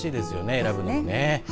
選ぶのがね。